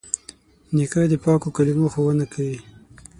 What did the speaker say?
نیکه د پاکو کلمو ښوونه کوي.